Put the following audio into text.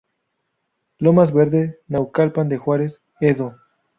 Lomas Verdes, Naucalpan de Juárez, Edo.